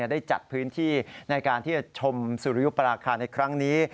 ได้จัดพื้นที่ในการที่จะชมสุริยุปราคาในครั้งนี้